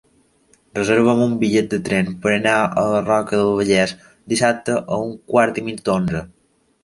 Reserva'm un bitllet de tren per anar a la Roca del Vallès dissabte a un quart i mig d'onze.